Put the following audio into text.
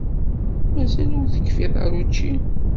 Mazal ur tekfiḍ ara učči?